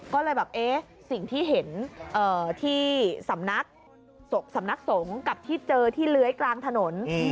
ก็เลยแบบเอ๊ะสิ่งที่เห็นที่สำนักสำนักสงฆ์กับที่เจอที่เลื้อยกลางถนน